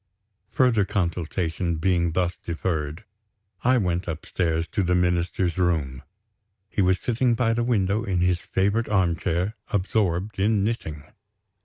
Further consultation being thus deferred, I went upstairs to the Minister's room. He was sitting by the window, in his favorite armchair, absorbed in knitting!